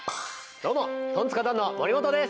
どうもトンツカタンの森本です。